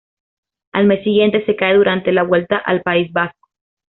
Al mes siguiente, se cae durante la Vuelta al País Vasco.